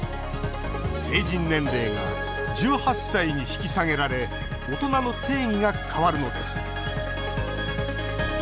成人年齢が１８歳に引き下げられ大人の定義が変わるのです。